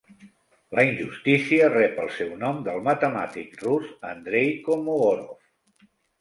La injustícia rep el seu nom del matemàtic rus Andrey Kolmogorov.